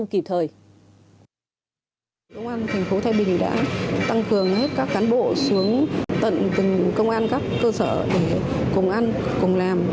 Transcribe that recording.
công an thành phố thái bình đã tăng cường hết các cán bộ xuống tận từng công an các cơ sở để cùng ăn cùng làm